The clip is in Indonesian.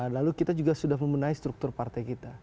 lalu kita juga sudah memenahi struktur partai kita